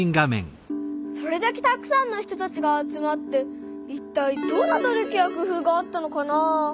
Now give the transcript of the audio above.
それだけたくさんの人たちが集まっていったいどんな努力や工夫があったのかなあ？